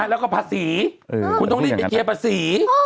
แล้วก็ภาษีคุณต้องได้เคียงภาษี